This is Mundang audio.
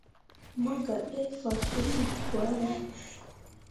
Mo gah ɗai faswulli gwari.